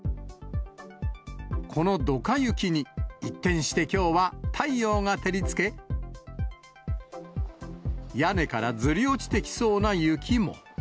このドカ雪に、一転してきょうは太陽が照りつけ、屋根からずり落ちてきそうな雪も。